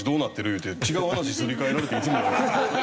いうて違う話すり替えられていつも。